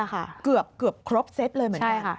เกือบครบเซ็ตเลย